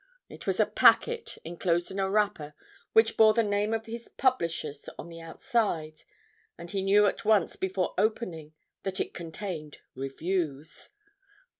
It was a packet inclosed in a wrapper which bore the name of his publishers on the outside, and he knew at once before opening it that it contained reviews.